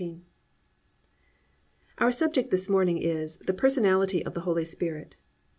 Our subject this morning is "The Personality of the Holy Spirit."